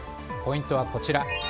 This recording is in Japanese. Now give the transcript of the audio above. ポイントはこちら。